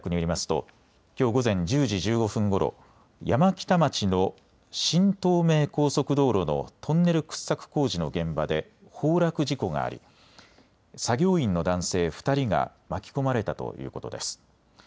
ときょう午前１０時１５分ごろ山北町の新東名高速道路のトンネル掘削工事の現場で崩落事故があり、作業員の男性２人が巻き込まれたということです。